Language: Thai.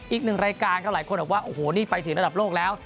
อีกหนึ่งรายการครับหลายคนบอกว่าโอ้โหนี่ไปถึงระดับโลกแล้ว